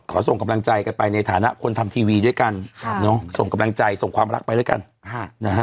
ส่งกำลังใจกันไปในฐานะคนทำทีวีด้วยกันส่งกำลังใจส่งความรักไปด้วยกันนะฮะ